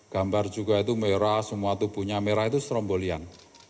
gambar juga itu merah semua tubuhnya merah itu strombolian